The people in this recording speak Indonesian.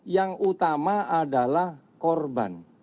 yang utama adalah korban